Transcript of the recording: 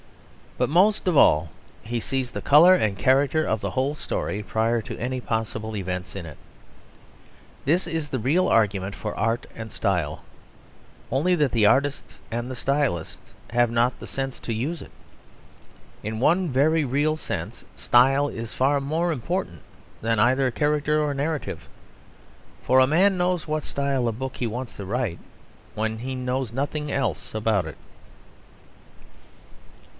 But most of all he sees the colour and character of the whole story prior to any possible events in it. This is the real argument for art and style, only that the artists and the stylists have not the sense to use it. In one very real sense style is far more important than either character or narrative. For a man knows what style of book he wants to write when he knows nothing else about it.